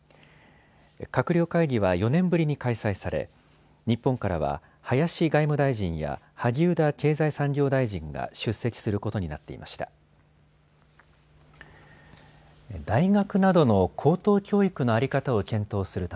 閣僚会議は４年ぶりに開催され日本からは林外務大臣や萩生田経済産業大臣が出席することになっていました。